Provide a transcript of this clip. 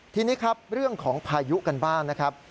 ทีนี้ครับเรื่องของพายุกันบ้างนะครับ